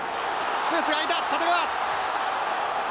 スペースが空いた立川！